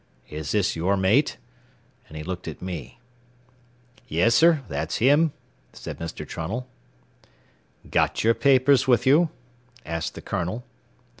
Is this your mate?" And he looked at me. "Yessir, that's him," said Mr. Trunnell. "Got your papers with you?" asked the colonel.